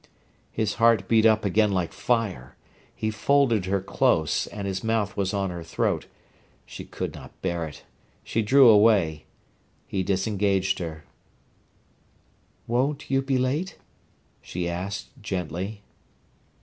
His heart beat up again like fire. He folded her close, and his mouth was on her throat. She could not bear it. She drew away. He disengaged her. "Won't you be late?" she asked gently.